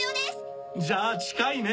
じゃあ近いね！